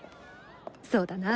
そうだな。